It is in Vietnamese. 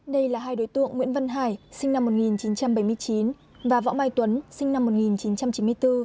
đây là hai đối tượng nguyễn văn hải sinh năm một nghìn chín trăm bảy mươi chín và võ mai tuấn sinh năm một nghìn chín trăm chín mươi bốn